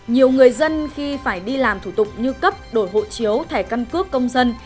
nhiều người dân khi phải đi làm thủ tục như cấp đổi hộ chiếu thẻ căn cước công dân